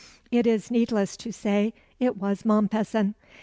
It is needless to say it was Mompesson.